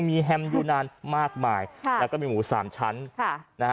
มีแฮมยูนานมากมายและก็มีหมูสามชั้น